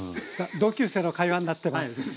同級生の会話になってます。